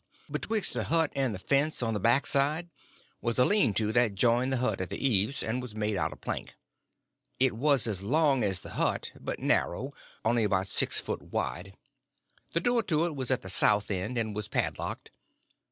Betwixt the hut and the fence, on the back side, was a lean to that joined the hut at the eaves, and was made out of plank. It was as long as the hut, but narrow—only about six foot wide. The door to it was at the south end, and was padlocked.